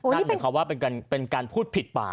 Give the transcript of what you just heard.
นั่นหมายความว่าเป็นการพูดผิดปาก